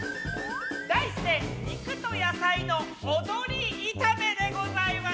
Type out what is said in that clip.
題して肉と野菜の踊り炒めでございます。